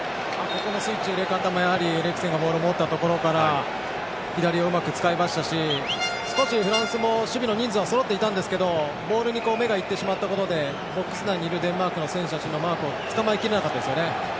ここのスイッチの入れ方もエリクセンがボールを持ったところから左をうまく使いましたしフランスも守備の人数はそろっていたんですがボールに目が行ってしまったことでボックス内にいるデンマークの選手のマークをつかまえきれなかったですよね。